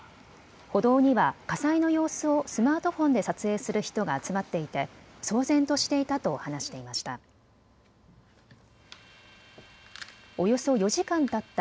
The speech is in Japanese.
歩道には火災の様子をスマートフォンで撮影する人が集まっていて騒然としていたと話していました。